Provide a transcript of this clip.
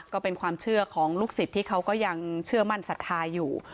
ก็เป็นความเชื่อของลูกศิษย์ที่เขาก็ยังเชื่อมั่นศรัทธาอยู่